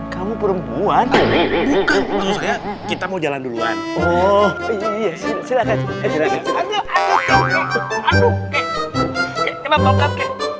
kamu perempuan kita mau jalan duluan oh iya silakan